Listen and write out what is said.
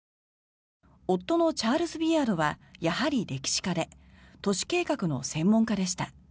夫のチャールズ・ビアードはやはり歴史家で都市計画の専門家でした。